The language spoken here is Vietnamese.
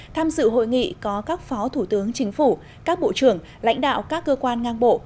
tham dự hội nghị có các phó thủ tướng chính phủ các bộ trưởng lãnh đạo các cơ quan ngang bộ